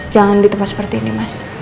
jangan ditempat seperti ini mas